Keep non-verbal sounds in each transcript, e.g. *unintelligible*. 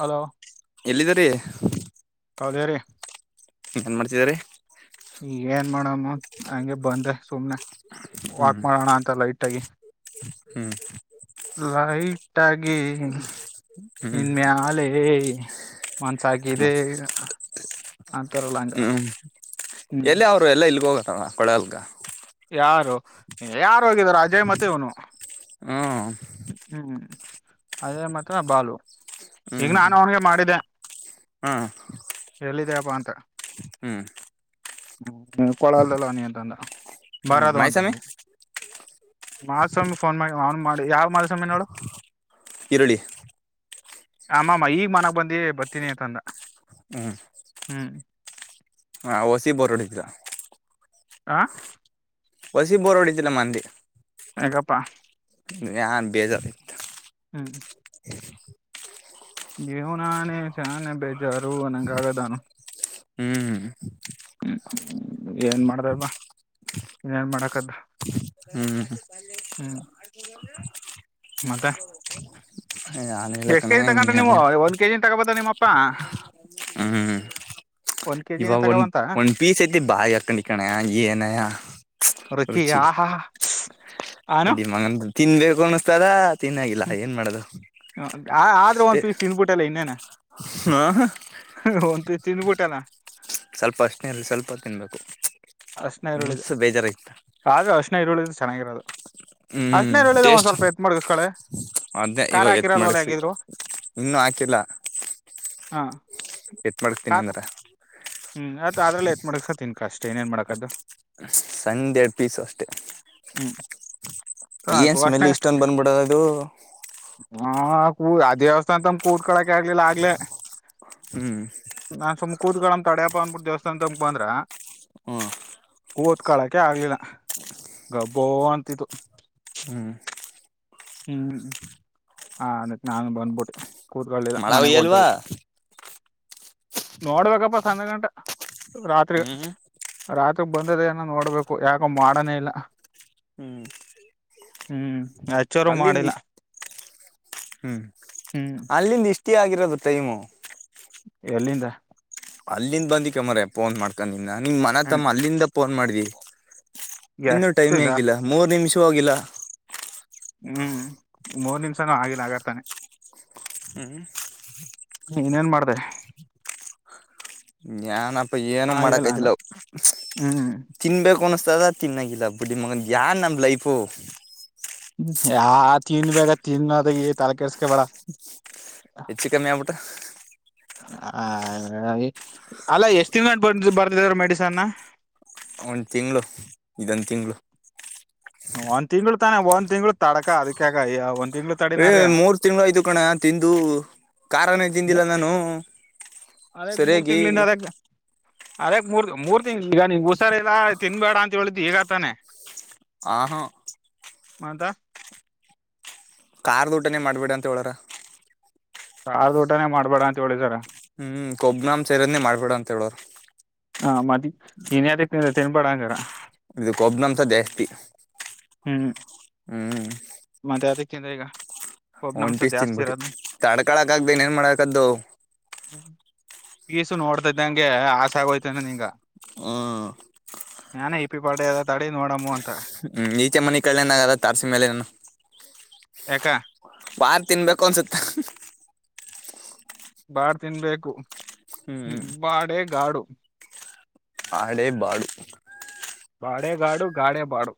Hello ಎಲ್ಲಿದ್ದರಿೀ ಕಾಾಲರೆ ಏನ್ ಮಾಡ್ತಿದಿದ್ದಾರೆ ಏನ್ ಮಾಡಣ ಹಂಗೆ ಬಂದೆ ಸುಮ್ನೆ ವಾಕ್ ಮಾಡೋಣ ಅಂತಲ್ಲ ಇಟ್ಟಾಗಿಿ ಹ್ಮ್ ಲೈಟ್ಾಗಿಿ ಇನ್ಮೇ್ಯಾಲೇ ಮನ್ಸಕಿದೆ ಹ್ಮ್ ಹ್ಮ್ ಎಲ್ಲಿ ಅವರು ಎಲ್ಲ ಹ ಪಡಲ್ಗ ಯಾರು ಯಾರು ಹೋಗಿದಾರ ಅಜಯ್ ಮತ್ತೆ ಇವನು ಹ್ಮ್ ಹ್ಮ್ ಅದೇ ಮತ್ತ ಬಾಲು ಈಗ ನಾನು ಅವನಿಗೆ ಮಾಡಿದೆೆ ಹಾ ಎ ಹೇಳಿದಪ್ಪಾ ಅಂತ ಹ್ಮ್ ಹ್ಮ ಕೊಳಲ್ದಲ್ಲವನಿ ಅಂತಂದ ಹ್ಮ್ ಬರದು ಮೈಸಾಮಿ ಅಂತಂದ ಮಾಧುಸ್ವಾಮಿ ಫೋನ್ ಮಾಡಿ ಅವನ್ ಮಾಡಿ ಯಾವ ಮಾಧುಸ್ವಾಮಿ ನೋಡು ಇರುಳ್ಳಿ ಅಮ್ಮಾಮ ಈಗ ಮನಾಗ ಬಂದಿ ಬರ್ತೀನಿ ಅಂತಂದ ಹ್ಮ ಹ್ಮ್ ವಸಿ ಬೋರ್ ವಡಿತದ. ಆ ವಸಿ ಬೋರ್ ವಡಿತಿಲ್ಲಮ ಅಂದೇ. ಏ ಗಪ್ಪ, ಯು ಬೇಜಾರಇತ್ತು. ಹ್ಮ್. ಜೀವನಾನೆ ಶಾನೆ ಬೇಜಾರು ಅನ್ನಗ ಆಗದೇ ಅನು. ಹ್ಮ್ ಏನ್ ಮಾಡ್ದಪ ಏನ್ ಮಾಡಕದ್ದ. ಹ್ಮ್ ಹ್ಮ್. ಮತ್ತ ಯಾನಿಲ್ಲ ಎಷ್ಟ್ ಕಣೆ ಕೆಜಿ ತಕೊಂಡ್ರಿ ನೀವು, ಹಿಂಗೇನ ಒಂದ್ ಕೆಜಿ, ತಗ್ಗದ ನಿಮ್ಮಪ್ಪಾ. ಹ್ಮ್ ಇವಾಗ ಒಂದ ಒಂದ್ ಪೀಸ್ ಐತಿ ಬಾಯಿ *unintelligible* ಏನಯ ರುಚಿ ಬಡ್ಡಿ ಮಗಂದ ತಿನ್ಬೇಕು ಅನ್ಸಿದಗ್, ಹ್ಮ್ ಆ ಆದ್ರೂ ಅಷ್ಟೇ ಒಂದ್ ಪೀಸ್ ತಿನ್ಬಿಟ್ಟಲ್ಲ ಇನ್ನೇನ. ಹ ಒಂದ್ ಪೀಸ್ ತಿಂದಬಿಟ್ಟಲ್ಲ. ಸ್ವಲ್ಪ ಅಷ್ಟನೇಲ್ಲಿ ಸ್ವಲ್ಪ ತಿನ್ಬೇಕು. ಹರಷ್ಣ ಈರುಳ್ಳಿದು, ಮನ್ಸು ಬೇಜಾರೈತ ಆದ್ರ ಹರಷ್ಣ ಈರುಳ್ಳಿದ ಚೆನ್ನಾಗಿರೋದು, ಅಷ್ಟನೇರು ಹೇಳಿದೆ ಒಂದ್ ಸ್ವಲ್ಪ ಎತ್ ಮಾಡಗಸ್ಕಳೆ, ಅದೇ ಇವಾಗ ಎತ್ ಮಾಡಡಗಿಸಿ, ಇನ್ನೂ ಹಾಕಿಲ್ಲ, ಹಾ, *unintelligible* ಖಾರ ನಿಂದ್ರ ಹ್ಮ್ ಅತ್ ಅ್ರಲ್ಲ ಎತ್ ಮಾಡಗಸತಿನಿ. ಅ ಸಂಡೇ ಪೀಸ ಅಷ್ಟೆ. ಹ್ಮ್ ಏನ್ ಸಾಕು ಅರ್ಶಿನ ಸ್ಮೆಲ್ ಇಷ್ಟೊಂದ ಬಂದಬಿಡ ಅದು. ಹ ಕೂ ಅ ದೇವಸ್ಥಾನಂತಮ ಕೂತ್ ಕಳಕೆ ಆಗ್ಲಿಲ್ಲ ಆಗ್ಲೆ. ಹ್ಮ್. ಕೂತ್ಕೊಳ್ಳಮ್ಮ್ ತಡ್ಯಾಪ್ಪ ಅನ್ಬಿಟ್ಟ ದೇವಸ್ಥಾನ ತಕ್ ಬಂದ್ರ, ಹ್ಮ್. ಕೂತ್ಕಳಕ್ಕೆ ಆಗ್ಲಿಲ್ಲ ಗಬ್ಬೋ ಅಂತಿತ್ತು. ಹ್ಮ್ ಹ್ಮ್ ಹ ಅದಕ್ಕ ನಾನು ಬಂದ್ಬಿಟ್ಟೆ. ಕೂತ್ಕೊಳ್ಳಿಲ್ಲ ಮಳೆ ಮನೆಗ್ ಒಯ್ಯಲ್ವಾ ಹೊಂಟದೇ. ನೋಡ್ಬೇಕಪ್ಪ ಸಂಜ ಗಂಟ, ರಾತ್ರಿ, ಹ್ಮ್ ರಾತ್ರಿ ಬಂದ್ರ ಏನ ನೋಡ್ಬೇಕು. ಯಾಕ ಮಾಡನೇ ಇಲ್ಲ. ಹ್ಮ್ ಹ್ಮ್. ಎಚ್ಚರು ಅಲ್ಲಿಂದ ಮಾಡಿಲ್ಲ ಇಷ್ಟ ಹ್ಮ್ ಹ್ಮ್ ಅಲ್ಲಿಂದ ಇಷ್ಟ ತಿ ಆಗಿರೋದು ಟೈಮ್, ಎಲ್ಲಿಂದ, ಅಲ್ಲಿಂದ ಬಂದಿಕಮ್ಮ್ರ ಫೋನ್ ಮಾಡ್ಕೊಂಡ ನಿನ್ನ ನಿಮ್ ಮನ ಹ್ಮ್ ತಮ್ಮ ಅಲ್ಲಿಂದ ಫೋನ್ ಮಾಡ್ದಿ. ಇನ್ನುೂ ಟೈಮ್ ಎಷ್ಟೀಗ ಆಗಿಲ್ಲ ಮೂರ್ ನಿಮಿಷ ಹೋಗಿಲ್ಲ. ಹ್ಮ್ ಮೂರ್ ನಿಮಿಷನು ಆಗಿಲ್ಲ ಆಗರ್ತಾನೆ. ಹ್ಮ್. ಹ್ಮ್ ಬೀ ಇನ್ನೇನ್ ಮಾಡ್ದೇ. ಏನಪ್ಪ ಏನು ಮಾಡಕ್ ಅಂದ್ರ ಆಯ್ತಿಲ್ಲ ಹ್ಮ್ ತಿನ್ನಬೇಕ ಅಸ ತಿನ್ನಾಗಿಲ್ಲ ಬಡ್ಡಿ ಮಗಂದ ಯನ್ ನಮ ಲೈಪು. ಹಾ ತಿನ ಬೇಗ ತಿನ್ನೋದ ತಲೆ ಕೆರ್ಸ್ಕ ಬೇಡ. ಹೆಚ್ಚ ಕಮ್ಮಿ ಆಗ್ಬಿಟ್ಟ. ಹ ಅಲ್ಲ ಎಷ್ಟ್ ದಿನ ಬ ಬರ್ತಿದಾರ ಮೆಡಿಸನ್. ಒಂದ ತಿಂಗಳು ಇದೊಂದ ತಿಂಗಳು. ಒಂದ್ ತಿಂಗ್ಗಳು ತಾನೆ ಒಂದ್ ತಿಂಗ್ಗಳು ತಡಕ ಅದಕ ಯ ಏ ಮೂರ್ ತಿಂಗಳು ಆಯ್ತು ಕಣೆ ತಿಂದು ಖಾರನೇ. ತಿಂದಿಲ್ಲ ನಾನು ಅದಕ್ ಮೂರ್ ಸರಿಯಾಗಿ ತಿಂಗಳಿಂದ ಅದಕ್ ಅದಕ್ ಮೂರ್ ಮೂರ್ ತಿಂಗ ಈಗ ನೀ ಹುಸಾರಲ್ಲ ತಿನ್ಬೇಡ ಅಂತ ಹೇಳಿದ ಈಗ ಆತಾನೆ ಆ ಹ ಮಾದ ಕಾರ್ ಟನೇ ಮಾಡ್ಬೇಡ ಅಂತ ಹೇಳರ ಸಾರು ಊಟಾನೇ ಮಾಡ್ಬೇಡ ಅಂತ ಹೇಳಿದಾರ ಹ್ಮ್ ಕೊಬ್ನಾಮ್ ಸೇರನೇ ಮಾಡ್ಬೇಡ ಅಂತ ಹೇಳೋರು ಹಾ ಮದ್ ನ್ಯ್ ತಿನ್ಬೇಡಂಗಾರ ಇದು ಕೊಬ್ನಂತ ಜೇಸ್ತಿ ಹ್ಮ್ ಹಾ ಮತ್ತೆ ಅದಕ್ಕೆಂದ್ರ ಈಗ ಒಬ್ನಂಶ ಒಂಟಿಸ್ತನ್ ಜಾಸ್ತಿ ಬಿಟ್ಟಿ ಇರೋದು ತಡ್ಕಳಕ ಆಗ್ದೇನ್ ಏನ್ ಮಾಡಕದ್ದು ಪೀಸು ನೋಡ್ತಾ ಇದಿದ್ದಂಗೆ ಆಸೆ ಆಗೋಯ್ತನೆ ನಿಂಗ ಹ್ಮ್ ನಾನೇ ಇಪಿ ಪಾಡ ಅದ ತಡೆ ನೋಡಮ್ಮ ಅಂತ ಹ್ಮ್ ಈಚೆ ಮನ ಕಡನಗದ ತಾರ್ಸಿ ಮೇಲೆ ಏನ ಎ ವಾರ್ ತಿನ್ಬೇಕು ಅನ್ಸುತ್ತ ಬಾಡ್ ತಿನ್ಬೇಕು ಹ್ಮ್ ಬಾಡೇ ಗಾಡು ಆಡೇ ಬಾಡು ಗಾಡೆ ಗಾಡು ಗಾಡೆ ಬಾಡು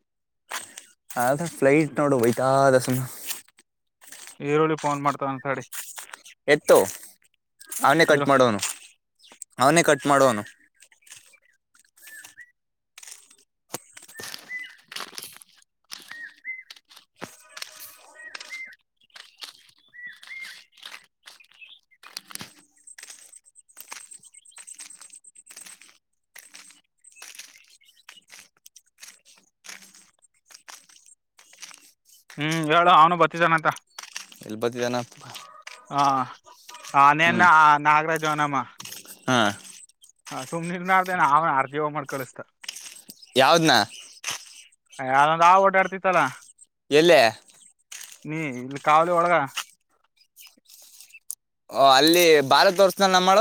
ಹ ಫ್ಲೈಟ್ ನೋಡು ಬಯ್ತಾ ದಸನ ಈರುಳ್ಳಿಫೋನ್ ಮಾಡತ ಅಂತ ಅಸ ಎತ್ತು ಅವನೇ ಕಟ್ ಇರು ಮಾಡೋನು ಅವನೇ ಕಟ್ ಮಾಡುವನು ಹ್ಮ್ ಹೇಳ ಅವನು ಬತಿದ್ದಾನಂತ ಇಲ್ಲಿ ಬತಿದಾನ ಹ ಹ ನೇನ್ನ ನಾಗರಾಜ ನಮ್ಮ ಹಾ ಹಾ ಸುಮ್ನರ್ನ ಅತ ಆ ಆರ್ತತಿವ ಮಾಡ್ ಕಳಿಸ್ತಾರೆ ಯಾವ್ದ್ನಾ ಯ ಯದೊಂದು ಆ ಓಡಾಡ್ತಿತ್ತಲ್ಲ ಎಲ್ಲ ನೀ ಇಲ್ಲಿ ಕಾವಾಲಿ ಒಳಗ ಓ ಅಲ್ಲಿ ಭಾರತ್ ತೋರ್ಸನ ನಮ್ಮು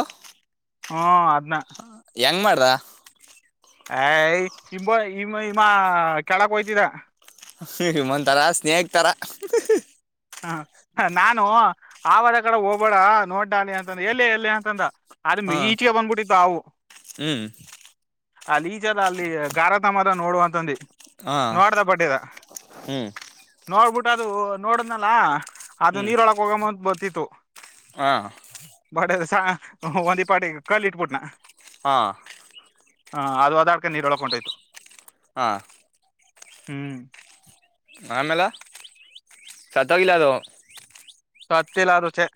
ಹ್ಮ ಅದನ್ನ ಹೆಂಗ್ ಮಾಡ್ರ ಅಯ ಇ ಇಮ್ಮ ಇಮ್ಮ ಕೆಳಕ್ ಹೋಯ್ತಿದ ಹಮ ತರ ಸ್ನೇಹಕ್ ತರ ಹ ನಾನು ಆವರ ಕಡೆ ಹೋಗ್ಬೇಡ ನೋಡ್ಡಳಿ ಅಂತಂದ ಎಲ್ಲಿ ಎಲ್ಲ ಅಂತಂದ ಅ್ರ ಹಾ ಮೀಚಿಗೆ ಬನ್ ಕುುಟ್ಟಿ ಹಾವು ಹ್ಮ್ ಅಲ್ಲಿ ಈಚಾರ ಅಲ್ಲಿ ಗಾರತ ಮರ ನೋಡುವಂತಂದೆ ಹಾ ನೋಡ್ದ ಬಟ್ಟದ ಹ್ಮ್ ನೋಡ್ಬಿಟ್ಟು ಅದು ನೋಡದ್ನಲ್ಲ ಅದು ಹ್ಮ್ ನೀರೊಳಕ್ ಹೋಗಂದ ಬರ್ತಿತ್ತು ಹಾ ಒಂದಿಪಾಟಿಗೆ ಕಲ್ಲು ಇಟ್ಬುಟ್ನಾ ಹಾಂ ಹಾ ಅದು ಹಓದಾಡ್ಕ ನೀರ್ ಒಳಕೊಂಡಟಯ್ತು ಹಾ ಹ್ಮ್ ಆಮೇಲ ಸತ್ತೋಗಿಲ್ಲ ಅದು ಸ ಅತಿಲ್ಲಾರು ಚ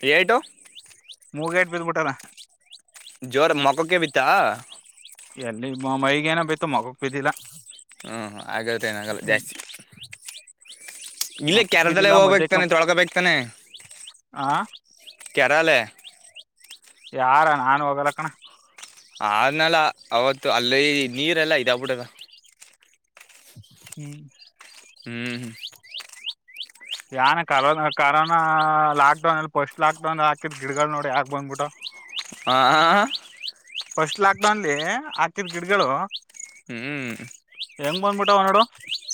ಪಿಯಯಟೋ ಮೂಗೇಟ್ ಬಿದ್ದಬೀಟ್ಟಾನ್ ಜೋರ್ ಮಕಕೆ ಬಿತ್ತಾ ಎಲ್ಲಿ ಮೈಗೆ ಏನ ಬಿತ್ತು ಮಕಕ್ ಬಿದ್ದಿಲ್ಲಾ. ಹ್ಮ್ ಆಗರತ್ತೆ ಏನಾಗಲ್ಲ ಜಾಸ್ತಿ ಇಲ್ಲ ಮಗುಕ್ ಕೆರೆದಲ್ಲೇ ಬಿದ್ದಿಲ್ಲ ಮಧ್ಯಕ್ಕೆ ಹೋಗ್ಬೇಕಕ್ತಾನೆ ತೊಳ್ಕಬೇಕತಾನೆ ಆ ಕೇರಲಿ ಯಾರ ನಾನು ಹೋಗಲ ಕಣ ಆದನಲ್ಲ ಅವತ್ತು ಅಲ್ಲಯ್ ನೀರೆಲ್ಲ ಇದವ ಬಿಡ ಹ್ಮ್ ಹ್ಮ್್ಮ ಯಾನ ಕರೋನಾ ಕರೋನಾ ಲಾಕ್ ಡೌನ್ ಅಲ್ಲಿ ಫಸ್ಟ್ ಲಾಕ್ ಡೌನ್ ಹಾಕಿದ್ ಗಿಡಗಳು ನೋಡಿ ಹಾಕ್ ಬಂದ್ಬಿಟ್ಟು ಹ ಹ ಫಸ್ಟ್ ಲಾಕ್ಡೌನ್‌ಲ್ಲಿ ಹಾಕಿದ್ ಗಿಡಗಳು ಹೆಂಗ್ ಬಂದ್ಬಿಟ್ಟಾವ ನೋಡು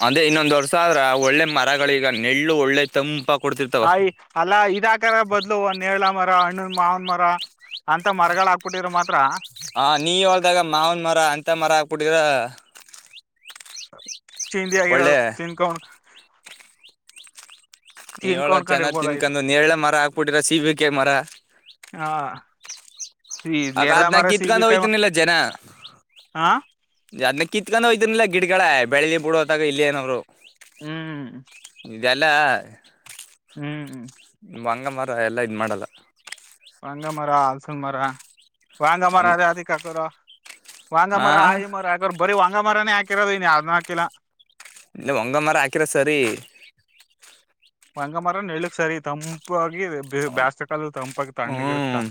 ಅಂದ್ರೆ ಇನ್ನೊಂದ್ ವರ್ಷ ಆದ್ರ ಒಳ್ಳೆ ಮರಗಳ ಈಗ ನೆಳ್ಳು ಒಳ್ಳೆ ತಂಪ ಕೊಡ್ತಿರ್ತಾವ ಹಯ್ ಅಲ್ಲಾ ಇ ಇದಾಕರ ಬದ್ಲು ಒ ನೇರಳ ಮರ ಹಣ್ಣನ್ ಮಾವನ ಮರ ಅಂತ ಮರಗಳ ಹಾಕ್ಬಿಟ್ಟರ ಮಾತ್ರ. ಹ ನೀ ಹೊಳ್ದಾಗ ಮಾವನ್ ಮರ ಅಂತ ಮರ ಹಾಕ್ಬಿಟ್ಟಿದರ ಚಿಂದಿ ಒಳ್ಳೆ ಆಗಿರೋದು ತಿನ್ಕೊಂಡ ನೀವ ಹೇಳ ತಿನ್ಕೊಂಡ್ಕೊಂಡ್ ಚೆನ್ನಾಗ್ ಇರ್ಬೋದಾಯ್ತು ತಿನ್ಕಂಡು ನೇರಳೆ ಮರ ಹಾಕ್ಬಿಟ್ಟಿರ ಸಿಬಿಕಾಯಿ ಮರ ಹಾ ಈ ಅಕ ನೇರಳ ಅದ ನ ಮರ ಕಿತ್ಕೊಂಡ ಸೀಬಿಕಾಯಿ ಹೋಗಯ್ತನಲ್ಲ ಜನ ಹಾ ಅದ್ನ ಕಿತ್ಕೊಂಡೋ ಹೋಯ್ತಿನಿಲ್ಲ ಗಿಡಗಳ ಬೆಳಿಲಿ ಬಿಡೋದಾಗ ಇಲ್ಲಿೇನ್ರು ಹ್ಮ್ ಗಲ್ಲ ಹ್ಮ್ ಹ್ಮ್ ಅಂಗಮರ ಎಲ್ಲ ಇದು ಮಾಡೋಲ್ಲ ಬಂಗ ಮರಾ ಅಲ್ಸಲ್ ಮರಾ ವಾಂಗ ಮರ ಅದ್ನ ಅದ ಅತಿ ಕಕರಾ ವಾಂಗ ಆ ಮರ ಆಯಿ ಮರ ಯಾಕಾರ ಬರಿ ವಾಂಗ ಮರನೇ ಹಾಕಿರೋದು ನೀ ಅದ ನಾಕಿಲ್ ಇಲ್ಲ ಒಂಗಮ್ಮರ ಹಾಕಿರ ಸರಿ ಒಂಗಮ್ಮರನ್ ನೆರಳು ಸರಿ ತಂಪ ಬೇಸಿಗೆ ಕಾಲ ತಂಪಾಗ ಹ್ಮ್ ತಣ್ಣಗಿರುತ್ತ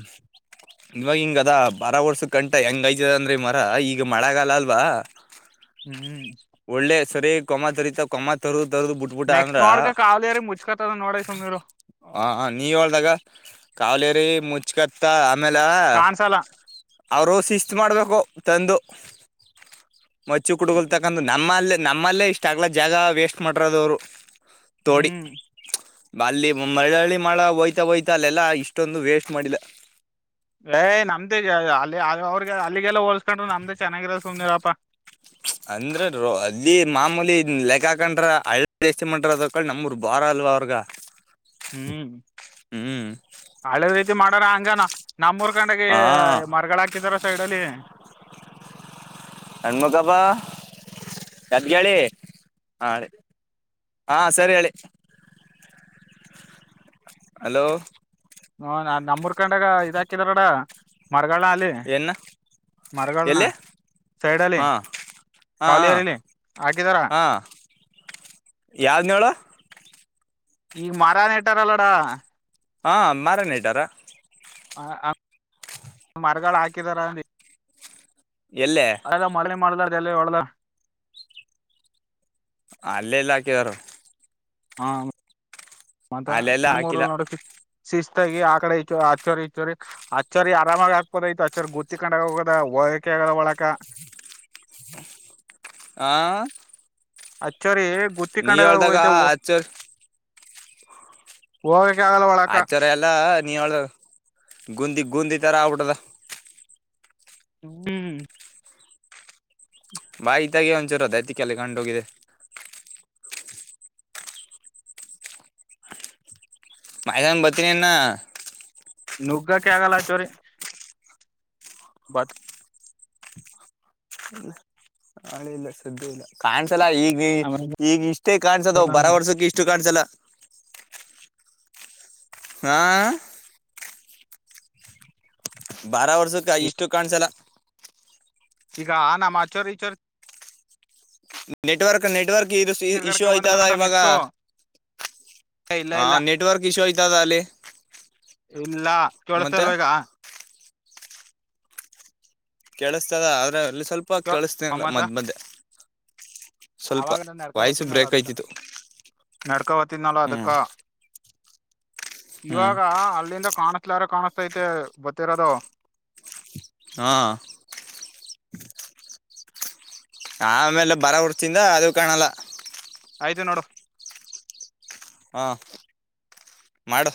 ಇವಾಗ ಹಿಂಗ ಅದ ಬಾರ ವರ್ಷ ಕಂಟ ಹೆಂಗ ಯತದ ಅಂದ್ರಿ ಮರ ಈಗ ಮಳೆಗಲ್ಲ ಅಲ್ವಾ. ಹ್ಮ್ ಒಳ್ಳೆ ಸರಿ ಕೊಮ್ಮ ತರಿತ ಕೊಮ್ಮ ತರು ನೆಕ್ಸ್ಟ್ ನೋಡ್ಕ ಕಾವಲಿಗಾರ ಮುಚ್ಕತದ ನೋಡ ಸುಮ್ರು ಹ ನೀವ ಹೇಳ್ದಾಗ ಕಾವಲೇರಿ ಮು ಹಚ್ಕತ್ತ ಆಮೇಲೆ ಕಾಣ್ಸಲ್ಲ ಅವರು ಶಿಸ್ತ್ ಮಾಡ್ಬೇಕು. ತಂದು ಮಚ್ಚಿ ಕುಡ್ಗಲ್ ತಕ್ಕ ಯಾಕಂದ್ರ ನಮ್ಮಲ್ಲ ನಮ್ಮಲ್ಲೇ ಇಷ್ಟಗ್ಲ ಜಾಗ ವೇಸ್ಟ್ ಮಾಡರೋದವ್ರು ತೋಡಿ ಹ್ಮ್ ಅಲ್ಲಿ ಮಳ್ಳಳ್ಳಿ ಮಾಡ ಹೋಯ್ತಾ ಹೋಯತ ಅಲ್ಲೆಲ್ಲಾ ಇಷ್ಟೊಂದು ವೇಸ್ಟ್ ಮಾಡಿಲ್ಲ. ಏಯ್ ನಮ್ದೇ ಅಲ್ಲಿ ಅವ್ರಗ ಅಲ್ಲಿಗೆಲ್ಲ ಹೋಲ್ಸ್ಕೊಂಡ್ರು ನಮ್ದೇ ಚೆನ್ನಾಗಿರ ಸುಮ್ನಿರಪ್ಪಾ ಅಂದ್ರ ಅಲ್ಲಿ ಮಾಮೂಲಿ ಲೆಕ್ಕಾಕಂಡ್ರ ಹಳ್ಳ ದಷ್ಟ ಮಂಟ್ರ ಅದಕಳ ನಮರು ಬಾಳ ಬರಲ್ವಾ ಅವ್ರಗ ಹ್ಮ್ ಹ್ಮ್ ಹಳದ್ ರೀತಿ ಮಾಡಾರ ಹಂಗಾನ ನಮ್ಮೂರ್ ಕಂಡಗ ಹಾ ಮರಗಳ ಹಾಕಿದಾರ ಸೈಡ್ಲ್ಲಿ ಹನಮಂತಪ್ಪ ಯದಗ ಹೇಳಿ ಹಾ ಹೇಳಿ ಹಾ ಸರಿ ಹೇಳಿ ಹಲೋ ಹ ನ ನಮ್ಮೂರ್ಕಂಡಾಗ ಇದ ಹಾಕಿದಾರಡ ಮಾರ್ಗಳ ಅಲ್ಲಿ ಏನ ಮಾರ್ಗಳನ ಎಲ್ಲಿ ಸೈಡ್ಲ್ಲಿ ಹಾ ಹಾ ಕಾಲಿಿಯರಿಲಿ ಹಾಕಿದಾರಾ ಯಾವ್ನೋ ಹೇಳು ಈಗ ಮಾರನ್ ಹೇಟಾರಲ್ಲಡ ಹಾ ಮರ ನೆಟ್ ರಾ ಹ ಮರಗಳು ಹಾಕಿದರಲ್ಲಿ ಎಲ್ಲೇ ಅದಲ್ಲ ಮರಳ ಮಾಡ್ದ ಅದೆ ಎಲ್ಲ ಒಳ್ದ ಅಲ್ಲೇ ಇಲ್ಲ ಹಾಕಿದರು ಹಾ ಮತ್ತಾ ಅಲ್ಲೆಲ್ಲ ನಮ್ಮ ಹಾಕಿಲ್ಲ ಊರಲ್ಲಿ ನೋಡಸ ಶಿಸ್ತ ಆಾಗಿ ಆ ಕಡೆ ಆಚ್ಚೋರಿ ಈಚ್ಚೋರಿ ಆಚ್ಚರಿ ಆರಾಮಾಗಿ ಆಗ್ಬೋದಐತತ್ ಆಚ್ಚರಿ ಗತ್ತಿ ಕೊಂಡ ಹೋಗದ ಬಳಕಗ ಒಳಕ ಆ ಅಚ್ಚರಿ ಗುತ್ತಿ ನೀ ಕೊಂಡಾಗ ಹೇಳ್ದಾಗ ಹೋಯ್ತೆ ಆಚೂರ್ ೋಗಕ್ಕೆ ಆಾಗಲ್ಲ ಒಳಕ್ಕ ನೀಳ ಗುಂದಿ ಗುಂದಿ ತರ ಆಟದ ಹೂ ಬಾಯಿತಾಗೆ ಒಂಚೂರು ಅದಐತಿ ಕೆಲ್ಲಿ ಕಂಡು ಹೋಗಿದೆ ಬೈ ಅನ್ನು ಇನ್ನ ಬರ್ತೀನಿ ನುಗ್ಗ ಕಗಲ್ಲಚೋರಿ ಬತ್ತ ಹಳ ಇಲ್ಲ ಸ್ದ್ಯ ಇಲ್ಲ ಕಾಣ್ಸಲ್ಲ ಈಗ ಈಗ ಇಷ್ಟೇ ಕಾಣ್ಸೋದ ಬರ ವರ್ಷಕ್ಕೆ ಇಷ್ಟು ಕಾಣ್ಸಲ್ಲ ಹ ಹ ಬರೋ ವರ್ಷಕ್ಕೆ ಇಷ್ಟ ಇಷ್ಟು ಕಾಣಸಲ್ಲ ಈಗ ಆ ನಾಮ ಆಚಾರಚರ್ ನೆಟ್ವರ್ಕ್ ನೆಟ್ವರ್ಕ್ ಇದು ಇಶ್ಯೂ ತಿರ್ಗಾಡ್ಕ ಆಯ್ತದ ಬಂದ ಇವಾಗ ನೆಕ್ಸ್ಟ್ ಇಲ್ಲ ಹಾ ಇಲ್ಲ ನೆಟವರ್ಕ್ ಇಶ್ಯೂ ಆಯಿತಲ್ಲ ಇಲ್ಲ ಕೇಳಸ್ತಲ್ವೇಗ ಕೇಳಿಸ್ತದ ಆದ್ರೆ ಅಲ್ಲಿ ಸ್ವಲ್ಪ ಕೆೇಳಿಸತನಲ್ಲ ಮದ್ ಮಧ್ಯ ಆಾಗಲ್ಲ ನಡ್ಕೊ ವಾಯ್ಸು ಬತ್ನಲ್ಲ ಬ್ರೇಕ್ ಅದಕ ಆಯ್ತಿತ್ತು ನಡ್ಕೊ ಬತಿದ್ನಲ್ಲ ಅದಕ್ಕ ಹ್ಮ್ ಹ್ಮ್ ಇವಾಗ ಅಲ್ಲಿಂದ ಕಾಣಸ್ಲಾರ ಕಾಣಸ್ತೈತೆ ಗೊತ್ತಿರೋದುೋ ಹಾ ಆಮೇಲೆ ಬರ ಹೊರ್ತಿಂದ ಅದು ಕಾಣಲ್ಲ ಆಯ್ತು ನೋಡು ಹಾಂ ಮಾಡು